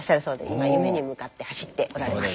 今夢に向かって走っておられます。